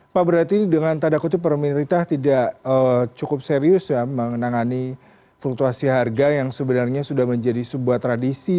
pak berarti dengan tanda kutip pemerintah tidak cukup serius ya mengenangani fluktuasi harga yang sebenarnya sudah menjadi sebuah tradisi